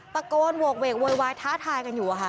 ตะโกนโหกเวกโวยวายท้าทายกันอยู่ค่ะ